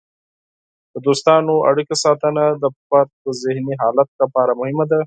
د دوستانه اړیکو ساتنه د فرد د ذهني حالت لپاره مهمه ده.